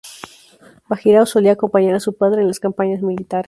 Bajirao solía acompañar a su padre en las campañas militares.